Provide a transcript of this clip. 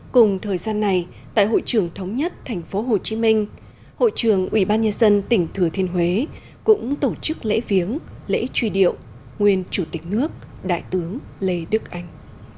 cùng thời gian này tại hội trưởng thống nhất thành phố hồ chí minh hội trưởng ubnd tỉnh thừa thiên huế cũng tổ chức lễ viếng lễ truy điệu nguyên chủ tịch nước đại tướng lê đức anh